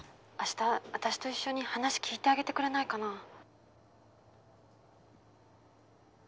「明日私と一緒に話聞いてあげてくれないかな？」